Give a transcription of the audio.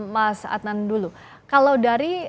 mas adnan dulu kalau dari